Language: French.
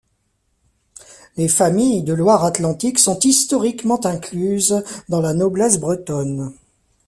Les familles de Loire-Atlantique sont historiquement incluses dans la noblesse bretonne.